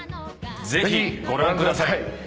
ぜひご覧ください。